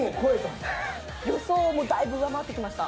予想もだいぶ上回ってきました。